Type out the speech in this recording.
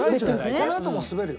このあとも滑るよ。